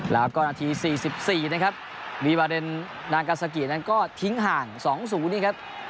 แล้วก็นาที๔๔วีวาเรนนากาซากิก็ทิ้งห่าง๒สูตรนี้ครับ